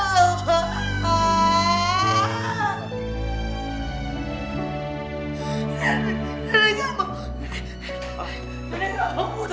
nenek gak mungkin buta